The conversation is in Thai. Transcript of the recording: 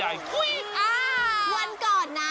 อ้าววันก่อนนะ